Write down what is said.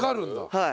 はい。